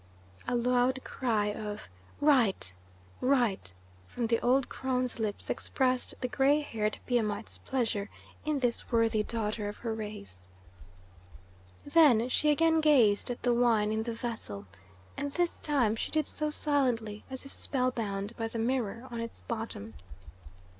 A loud cry of "Right! right!" from the old crone's lips expressed the gray haired Biamite's pleasure in this worthy daughter of her race. Then she again gazed at the wine in the vessel, and this time she did so silently, as if spellbound by the mirror on its bottom.